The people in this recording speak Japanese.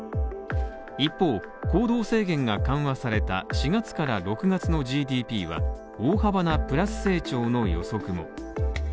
一方、行動制限が緩和された４月から６月のＧＤＰは大幅なプラス成長の予測も。